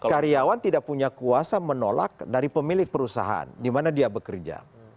karyawan tidak punya kuasa menolak dari pemilik perusahaan di mana dia bekerja